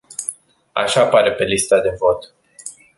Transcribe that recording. Așa apare pe lista de vot.